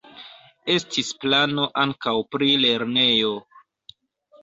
Estis plano ankaŭ pri lernejo.